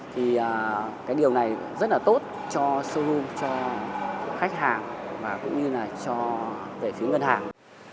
thì cái điều này rất là tốt cho show cho khách hàng và cũng như là cho về phía ngân hàng